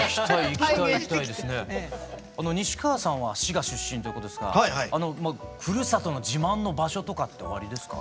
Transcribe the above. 西川さんは滋賀出身ということですがふるさとの自慢の場所とかっておありですか？